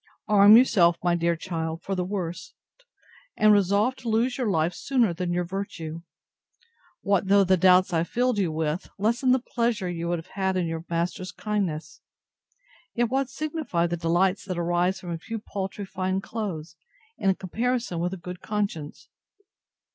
Arm yourself, my dear child, for the worst; and resolve to lose your life sooner than your virtue. What though the doubts I filled you with, lessen the pleasure you would have had in your master's kindness; yet what signify the delights that arise from a few paltry fine clothes, in comparison with a good conscience?